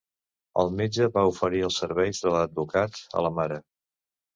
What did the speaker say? El metge va oferir els serveis de l'advocat a la mare.